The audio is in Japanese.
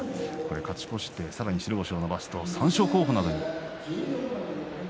勝ち越してさらに白星を伸ばすと三賞候補に。